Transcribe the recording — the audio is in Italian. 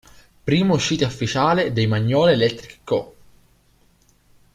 Prima uscita ufficiale dei Magnolia Electric Co.